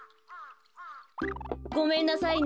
ごめんなさいね。